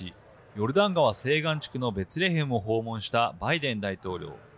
ヨルダン川西岸地区のベツレヘムを訪問したバイデン大統領。